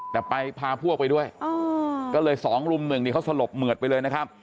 แต่ไปพาพวกไปด้วยก็เลยสองรุ่มหนึ่งนี่เขาสลบเหมือดไปเลยนะครับ